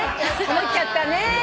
思っちゃったね。